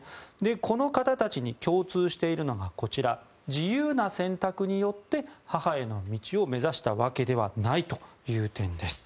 この方たちに共通しているのが自由な選択によって母への道を目指したわけではないという点です。